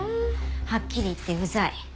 はっきり言ってうざい。